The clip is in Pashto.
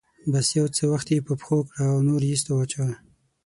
بس يو څه وخت يې په پښو کړه او نور يې ايسته واچوه.